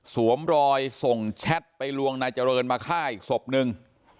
สวมรอยส่งแชทไปลวงนายเจริญมาฆ่าอีกศพนึง